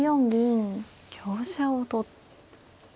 香車を取って。